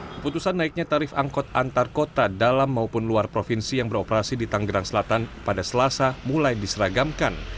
keputusan naiknya tarif angkot antar kota dalam maupun luar provinsi yang beroperasi di tanggerang selatan pada selasa mulai diseragamkan